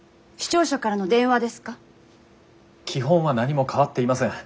基本は何も変わっていません。